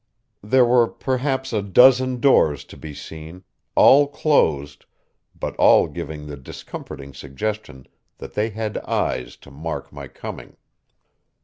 There were perhaps a dozen doors to be seen, all closed, but all giving the discomforting suggestion that they had eyes to mark my coming.